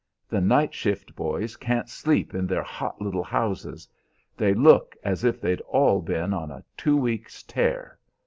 The night shift boys can't sleep in their hot little houses they look as if they'd all been on a two weeks' tear.